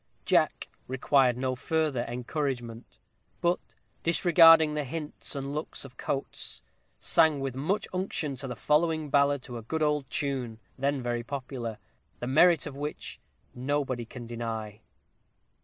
Jack required no further encouragement, but disregarding the hints and looks of Coates, sang with much unction the following ballad to a good old tune, then very popular the merit of which "nobody can deny."